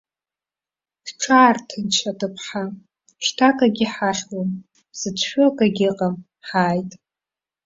Бҽаарҭынч, аҭыԥҳа, шьҭа акгьы ҳахьуам, бзыцәшәо акгьы ыҟам, ҳааит.